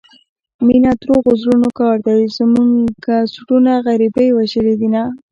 مينه دروغو زړونو كار دى زموږه زړونه غريبۍ وژلي دينه